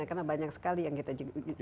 karena banyak sekali yang kita pelajari